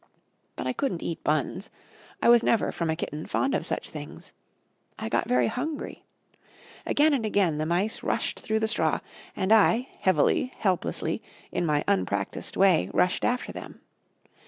But I couldn't eat buns. I was never, from a kitten, fond of such things. I got very hungry. Again and again the mice rushed through the straw, and I, heavily, helplessly, in my unpractised way, rushed after them.